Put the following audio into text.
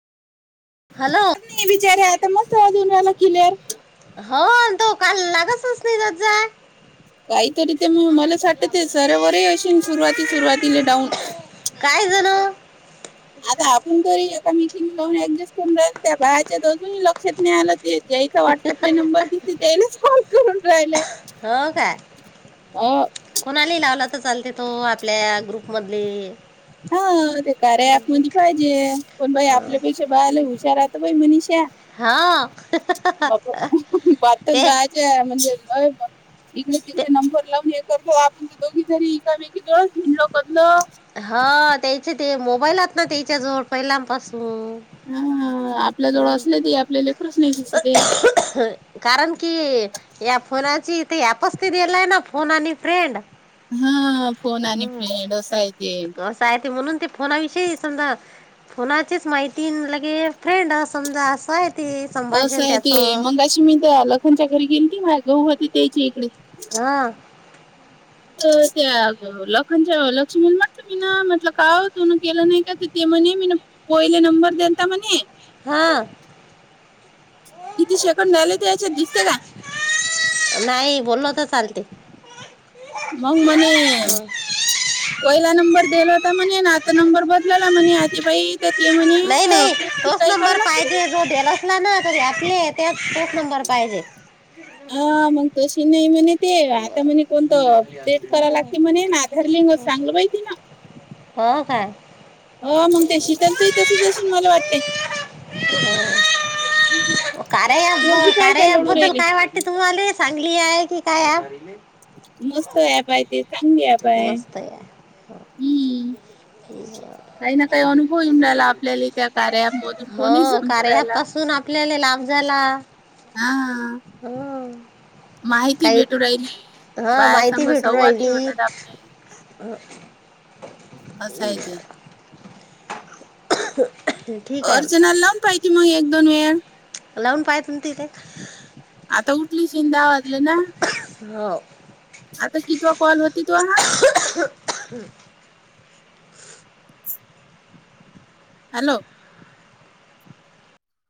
Hello नाही बिचारे आता जुन्याला केल्यात, हो तो कालला जस असतय नाही ज काहीतरी ते मलाच वाटते सर्वरे अशी सुरुवाती सुरवातीला डाऊन, काय जण, अग आपण तरी एकामेकी लावून ऍडजस्ट करून राहिल त्या बाहेरच्या अजूनही लक्षात नाही आलं. ते जईचा व्हॉट्सअप ला नंबर दिस जईलाच कॉल! करून राहिले हो काय, अ, कोणाला लावला तर चालते तो आपल्या ग्रुपमधले? हा ते कार्या अप मध्ये पाहिजे पण बाई आपल्यापेक्षा बाहेर लय हुशार असतात बाई मनीषा. हा, बाताच ते बायच्या म्हणजे! इकडे ते तिकडे नंबर लावून हे करतो आपण तर दोघी तरी एकामेकी जळ हिंडलो कदलो. हा त्याचे ते मोबाईलत ना त्याच्या जवळ पहिल्यापासून, हा आपल्या जवळ हम्म. असले त आपल्या लेखरासनी दिसू दे. कारण कि या फोनाची ती अपस्थित आलाय ना फोन आणि फ्रेंड, हा फोन आणि फ्रेंड असाय ते. काय ते म्हणून ते फोनाविषयी समजा फोनाचीच माहिती लगे. फ्रेंड अ समजा अस हाय ते, असं संभाषण आहे ते त्याचं मग अशी मी लखनच्या घरी गेली ती माझ होती त्याची इकडे, हा, त्या लखनच्या लक्ष्मी मी ना म्हटलं, म्हटल मी न का ओ धून केलं नाही का? ती म्हणे, मी पोहिले नंबर दीलता म्हणे हा. किती शेकंद झाले ते याच्यात दिसते का? नाही बोल तर चालते. मंग मने हं. पहिला नंबर दिला होता मणे ना त नंबर बदलला म्हणे, आ बाई तर ते म्हणे अपडेट कि तोच काही कराव नंबर लागतील ना. पाहिजे जो तेलास नाही ना तरी, आपले त्यात तोच नंबर पाहिजे. हा मग तशी नाही म्हणे ते. त्या म्हणे कोणतं डेट कराय हं. लागते म्हणे ना, आधार लिंग सागलं पाहि तीन. हो काय. हो मग ते शीतल ताई तशीच अशील मला वाटते. कार पोरगी ॲप, का पाय र काय ॲप लढू बदल तुला राहिली काय वाट ते तुम्हाला चांगली हाय की काय हाय? मस्त ऍप हाय ते. चांगली ऍप हाय. मस्त आहे काही ना काही अनुभव येऊन राहिला आपल्याला त्या कार्या मधून कोणी हो समजू कार्य अँप राहिला पासून आपल्याले लाभ झाला. हां. हुं. काही भेटू राहिली हा बाया माहिती संग भेटू संवादही राहिली. होतात आपले आसं हाय ती. [inaudible] अर्चना लावून पाहिती मग एक दोन वेळा लावून पायतन तिथे आता उठली शिन दहा वाजले ना? हो. आता कितीवा कॉल होती तोवा? [inaudible] हॅलो.